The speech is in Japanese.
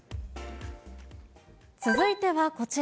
続いてはこちら。